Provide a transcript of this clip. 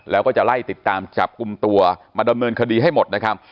แล้วก็จะไล่ติดตามจับกลุ่มตัวมาดำเนินคดีให้หมดนะครับ